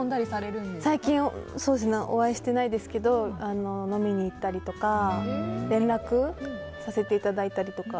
最近、お会いしてないですけど飲みに行ったりとか連絡させていただいたりとか。